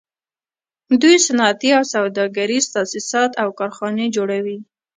دوی صنعتي او سوداګریز تاسیسات او کارخانې جوړوي